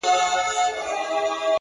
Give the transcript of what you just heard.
ه زه د دوو مئينو زړو بړاس يمه؛